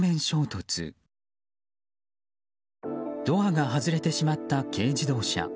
ドアが外れてしまった軽自動車。